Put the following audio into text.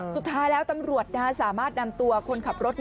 สุดท้ายแล้วตำรวจสามารถนำตัวคนขับรถ